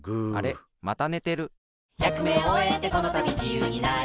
またねてる。